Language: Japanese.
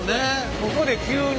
ここで急に。